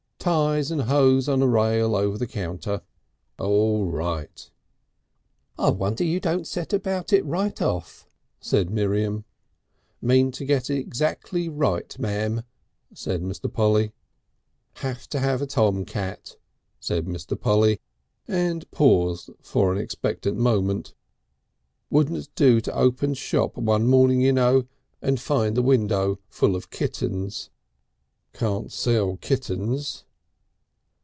Ties and hose on a rail over the counter. All right." "I wonder you don't set about it right off," said Miriam. "Mean to get it exactly right, m'am," said Mr. Polly. "Have to have a tomcat," said Mr. Polly, and paused for an expectant moment. "Wouldn't do to open shop one morning, you know, and find the window full of kittens. Can't sell kittens...."